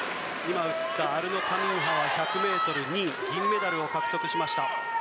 アルノ・カミンハは１００ｍ２位銀メダルを獲得しました。